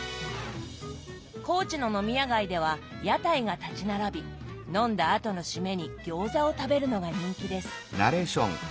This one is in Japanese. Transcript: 高知の飲み屋街では屋台が立ち並び飲んだ後の締めに餃子を食べるのが人気です。